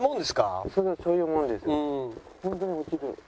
そういうもんです。